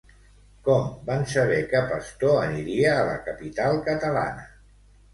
Com van saber que Pastor aniria a la capital catalana?